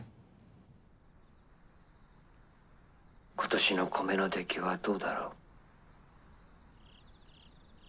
今年の米の出来はどうだろう」。